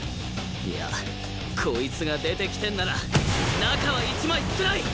いやこいつが出てきてんなら中は１枚少ない！